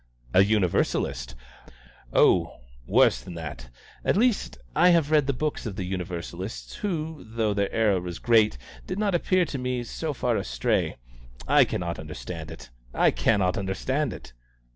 "A Universalist!" "Oh, worse than that at least, I have read the books of Universalists who, though their error was great, did not appear to me so far astray. I cannot understand it! I cannot understand it!"